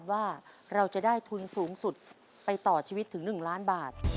ว่าเราจะได้ทุนสูงสุดไปต่อชีวิตถึง๑ล้านบาท